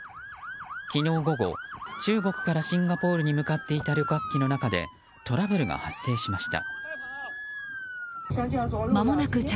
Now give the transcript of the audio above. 昨日午後、中国からシンガポールに向かっていた旅客機の中でトラブルが発生しました。